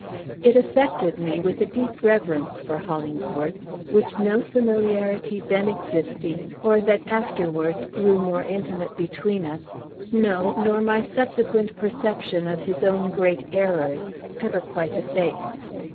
It affected me with a deep reverence for Hollingsworth, which no familiarity then existing, or that afterwards grew more intimate between us, no, nor my subsequent perception of his own great errors, ever quite effaced.